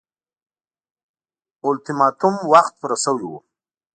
اولتیماتوم وخت پوره شوی وو.